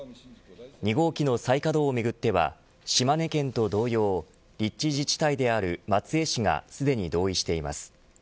２号機の再稼働をめぐっては島根県と同様立地自治体である松江市がすでに同意しています。